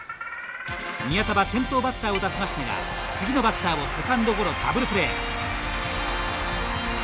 宮田は先頭バッターを出しましたが次のバッターをセカンドゴロダブルプレー。